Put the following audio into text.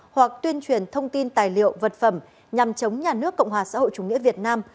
hoặc tuyên truyền thông tin tài liệu vật phẩm nhằm chống nhà nước cộng hòa xã hội chủ nghĩa việt nam